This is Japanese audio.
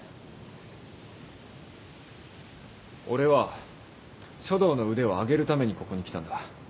俺は書道の腕を上げるためにここに来たんだ。